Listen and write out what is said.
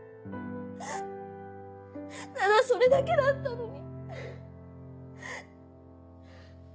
ただそれだけだったのに。